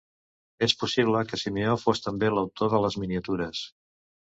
És possible que Simeó fos també l'autor de les miniatures.